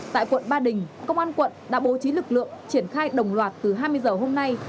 tại quận ba đình công an quận đã bố trí lực lượng triển khai đồng loạt từ hai mươi h hôm nay